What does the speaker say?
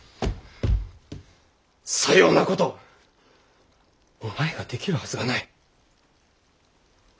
さようなことお前ができるはずがない。